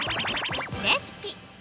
レシピ。